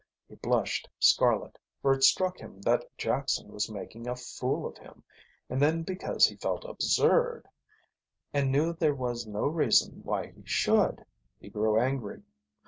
He blushed scarlet, for it struck him that Jackson was making a fool of him, and then because he felt absurd and knew there was no reason why he should he grew angry.